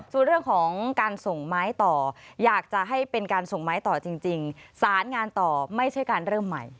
ส่วนเรื่องของการส่งไม้ต่ออยากจะให้เป็นการส่งไม้ต่อจริงสารงานต่อไม่ใช่การเริ่มใหม่